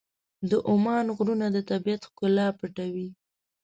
د عمان غرونه د طبیعت ښکلا پټوي.